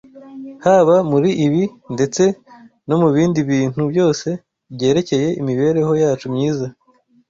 Haba muri ibi ndetse no mu bindi bintu byose byerekeye imibereho yacu myiza